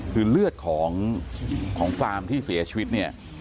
คือเลือดของฟาร์มที่เสียชีวิตเนี่ย